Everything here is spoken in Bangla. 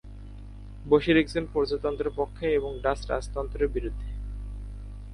বশির একজন প্রজাতন্ত্রের পক্ষে এবং ডাচ রাজতন্ত্রের বিরুদ্ধে।